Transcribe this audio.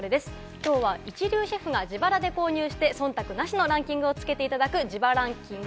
きょうは一流シェフが自腹で購入して忖度なしのランキングをつけていただく自腹ンキング。